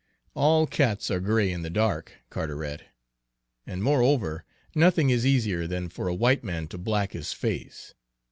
"All cats are gray in the dark, Carteret; and, moreover, nothing is easier than for a white man to black his face.